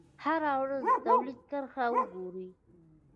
هره ورځ د تولید کرښه وګورئ.